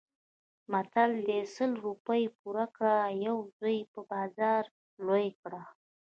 متل دی: سل روپۍ پور کړه یو زوی په بازار لوی کړه.